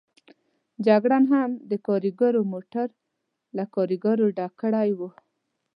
جګړن هم د کاریګرو موټر له کاریګرو ډک کړی و.